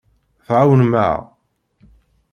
Tɛawnem-aɣ.